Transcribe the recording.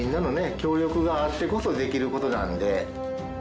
協力があってこそできる事なんで。